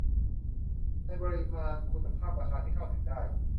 ในปริมาณ คุณภาพ ราคาที่เข้าถึงได้